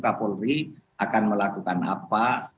kapolri akan melakukan apa